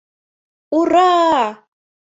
Ура!.